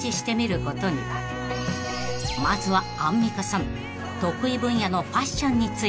［まずはアンミカさん］